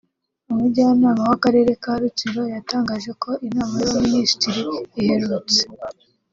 Umujyanama w’Akarere ka Rutsiro yatangaje ko inama y’abaminisitiri iherutse